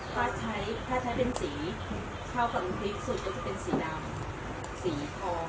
ถ้าใช้ถ้าใช้เป็นสีเท่ากันที่สุดก็จะเป็นสีดำสีธอง